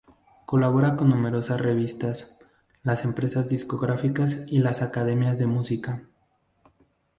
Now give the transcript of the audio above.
Colabora con numerosas revistas, las empresas discográficas y las academias de música.